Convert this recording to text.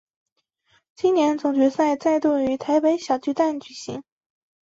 今年总决赛再度于台北小巨蛋举行。